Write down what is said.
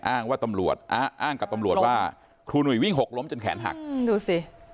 อ้างว่าตำรวจอ้างกับตำรวจว่าครูหนุ่ยวิ่งหกล้มจนแขนหักดูสิ